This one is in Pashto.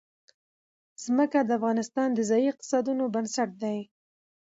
ځمکه د افغانستان د ځایي اقتصادونو بنسټ دی.